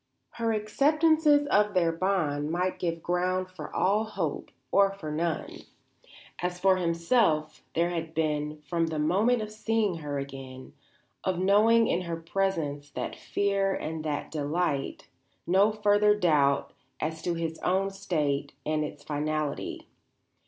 Her acceptances of their bond might give ground for all hope or for none. As for himself there had been, from the moment of seeing her again, of knowing in her presence that fear and that delight, no further doubt as to his own state and its finality.